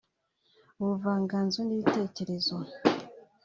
ubuvanganzo n’ibitekerezo